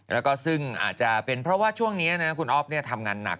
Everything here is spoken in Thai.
แล้วก็ซึ่งอาจจะเป็นเพราะว่าช่วงนี้คุณอ๊อฟทำงานหนัก